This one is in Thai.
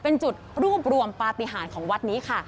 เป็นจุดรวบรวมปฏิหารของวัดนี้ค่ะ